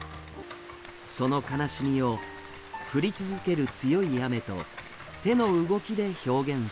その悲しみを降り続ける強い雨と手の動きで表現しています。